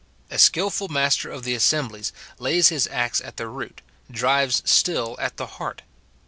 A skilful master of the assemblies lays his axe at the root, drives still at the heart.